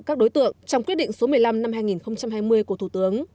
các đối tượng trong quyết định số một mươi năm năm hai nghìn hai mươi của thủ tướng